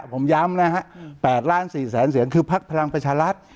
ผมย้ำนะฮะ๘ล้าน๔แสนเสียงคือพักพลังประชารัฐ